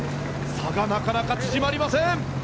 差がなかなか縮まりません。